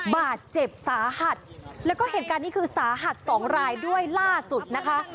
บาดเจ็บสาหัสแล้วก็เหตุการณ์นี้คือสาหัสสองรายด้วยล่าสุดนะคะ